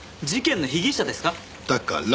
事件の被疑者ですか？